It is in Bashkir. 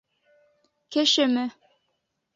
Кешеме?